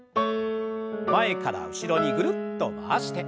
前から後ろにぐるっと回して。